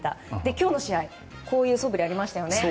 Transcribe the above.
今日の試合、あのそぶりがありましたよね。